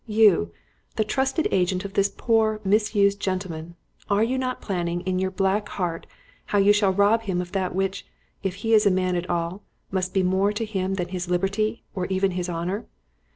You, the trusted agent of this poor, misused gentleman, are you not planning in your black heart how you shall rob him of that which, if he is a man at all, must be more to him than his liberty, or even his honour?